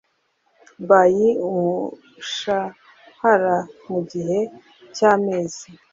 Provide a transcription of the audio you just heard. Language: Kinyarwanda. By umushahara mu gihe cy amezi